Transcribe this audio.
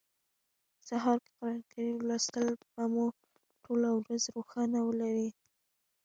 سهار کی قران کریم لوستل به مو ټوله ورځ روښانه ولري